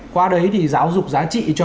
qua đấy thì giáo dục giá trị cho